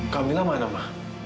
kamilah mana ma